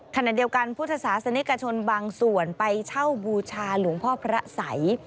ขณะเดียวกันพุทธศาสนิกชนบางส่วนไปเช่าบูชาหลวงพ่อพระสัย